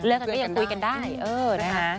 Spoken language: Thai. เลือกกันก็ยังคุยกันได้